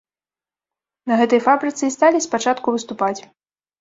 На гэтай фабрыцы і сталі спачатку выступаць.